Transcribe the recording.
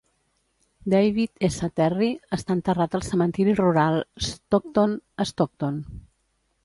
David S. Terry està enterrat al cementiri rural Stockton, a Stockton.